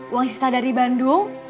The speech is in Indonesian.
uang sisa dari bandung